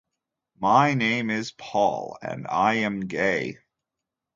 My name is Paul, and I am gay.